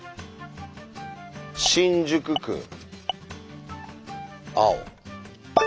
新宿区青。